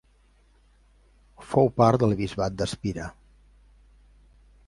Fou part del bisbat d'Espira.